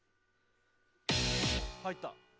入った。